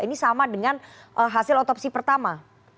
ini sama dengan hasil otopsi pertama